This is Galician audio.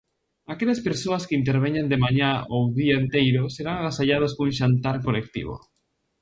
Aquelas persoas que interveñan de mañá ou día enteiro serán agasallados cun xantar colectivo.